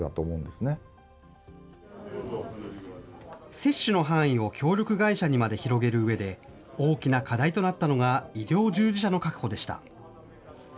接種の範囲を協力会社にまで広げるうえで、大きな課題となったのが医療従事者の確保でした。